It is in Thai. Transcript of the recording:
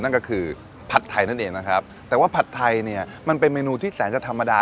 นั่นก็คือผัดไทยนั่นเองนะครับแต่ว่าผัดไทยเนี่ยมันเป็นเมนูที่แสนจะธรรมดา